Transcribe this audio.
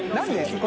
これ。